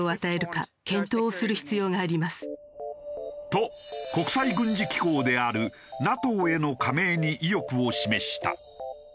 と国際軍事機構であるＮＡＴＯへの加盟に意欲を示した。